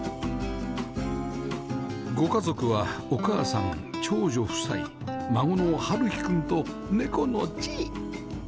ご家族はお母さん長女夫妻孫の治己くんと猫のチイ